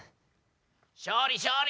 勝利勝利！